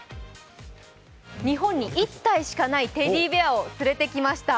日本に１体しかないテディベアを連れてきました。